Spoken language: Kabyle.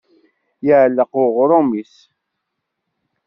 Iɛelleq uɣrum-is.